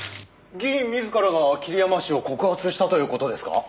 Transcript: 「議員自らが桐山氏を告発したという事ですか？」